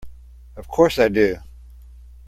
Of course I do!